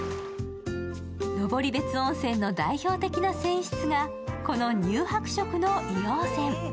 登別温泉の代表的な泉質が、この乳白色の硫黄泉。